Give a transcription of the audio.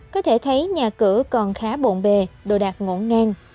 có thể thấy nhà cửa còn khá bộn bề đồ đạc ngỗ ngang